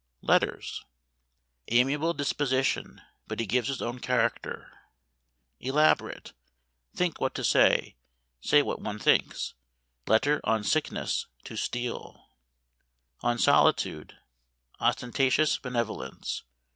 LETTERS. Amiable disposition but he gives his own character. Elaborate. Think what to say say what one thinks. Letter on sickness to Steele. _On Solitude. Ostentatious benevolence.